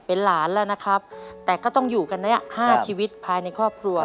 เป็นหลานแล้วนะครับแต่ก็ต้องอยู่กันเนี่ยห้าชีวิตภายในครอบครัว